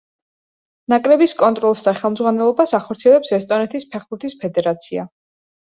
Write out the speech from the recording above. ნაკრების კონტროლს და ხელმძღვანელობას ახორციელებს ესტონეთის ფეხბურთის ფედერაცია.